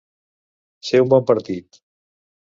Ser un bon partit.